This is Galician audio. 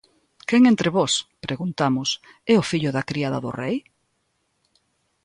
¿Quen entre vós _preguntamos_ é o fillo da criada do rei?